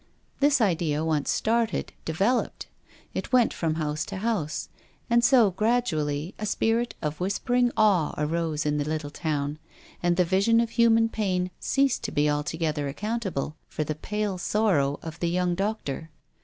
This idea, once started, developed. It went from house to house. And so, gradually, a spirit of whisper ing awe arose in the little town, and the vision of human pain ceased to be altogether account able for the pale sorrow of the young doctor.